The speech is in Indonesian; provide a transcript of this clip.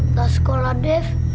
udah sekolah dev